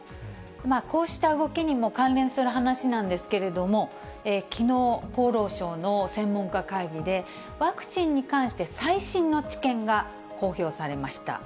こうした動きにも関連する話なんですけれども、きのう、厚労省の専門家会議で、ワクチンに関して最新の知見が公表されました。